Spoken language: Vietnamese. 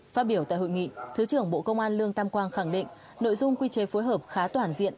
phát biểu tại hội nghị thứ trưởng bộ công an lương tam quang khẳng định nội dung quy chế phối hợp khá toàn diện